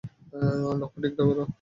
লক্ষ্য ঠিক করো।